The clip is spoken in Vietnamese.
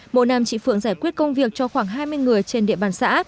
mỗi năm chị phượng giải quyết công việc cho khoảng hai mươi người trên địa bàn xã